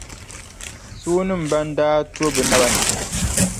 Soonima ban daa to bɛ naba ni.